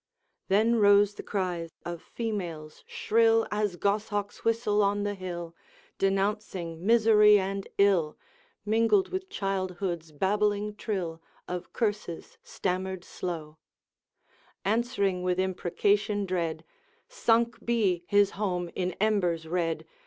Then rose the cry of females, shrill As goshawk's whistle on the hill, Denouncing misery and ill, Mingled with childhood's babbling trill Of curses stammered slow; Answering with imprecation dread, 'Sunk be his home in embers red!